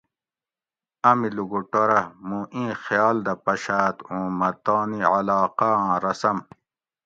امی لوکوٹورہ موں ایں خیال دہ پشاۤت اُوں مہ تانی علاقہ آں رسم